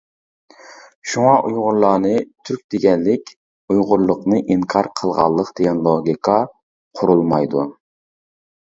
شۇڭا ئۇيغۇرلارنى تۈرك دېگەنلىك ئۇيغۇرلۇقنى ئىنكار قىلغانلىق دېگەن لوگىكا قۇرۇلمايدۇ.